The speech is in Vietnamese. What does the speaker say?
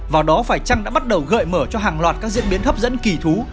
vào đó phải chăng đã bắt đầu gợi mở cho hàng loạt các diễn biến hấp dẫn kỳ thú